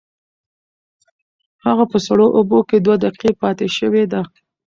هغه په سړو اوبو کې دوه دقیقې پاتې شوې ده.